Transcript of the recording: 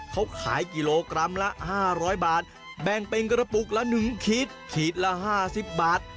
เขาขายกิโลกรัมละ๕๐๐บาทแบ่งเป็นกระปุกละ๑ขีดขีดละ๕๐บาท